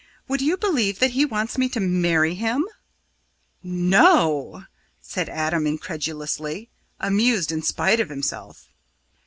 Would you believe that he wants me to marry him?" "No!" said Adam incredulously, amused in spite of himself.